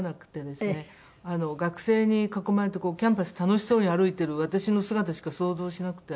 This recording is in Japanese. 学生に囲まれてキャンパス楽しそうに歩いてる私の姿しか想像しなくて。